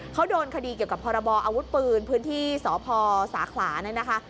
เขาโดนคดีเกี่ยวกับพรบออาวุธปืนพื้นที่สพสาขลาเนี่ยนะคะ